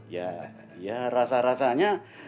ya ya rasa rasanya